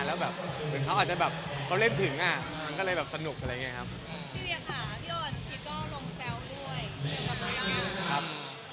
แล้วแบบถึงเขาอาจจะแบบเขาเล่นถึงอ่ะมันก็เลยแบบสนุกอะไรอย่างนี้ครับ